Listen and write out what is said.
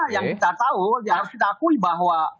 yang kita tahu yang harus kita akui bahwa